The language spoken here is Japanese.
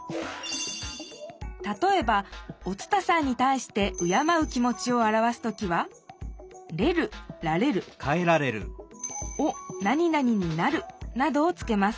たとえばお伝さんにたいして敬う気もちをあらわす時は「れる」「られる」「おなになにになる」などをつけます